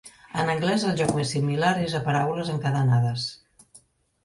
En anglès, el joc més similar és a Paraules encadenades.